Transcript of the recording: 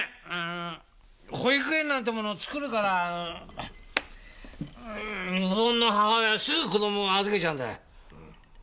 ん保育園なんてものを作るから日本の母親はすぐ子供を預けちゃうんだよ。